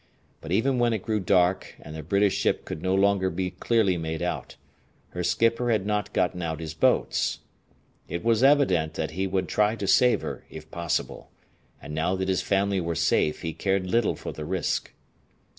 But even when it grew dark and the British ship could no longer be clearly made out, her skipper had not gotten out his boats. It was evident that he would try to save her if possible, and now that his family were safe he cared little for the risk.